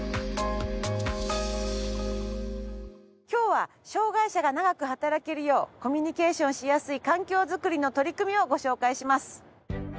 今日は障がい者が長く働けるようコミュニケーションしやすい環境づくりの取り組みをご紹介します。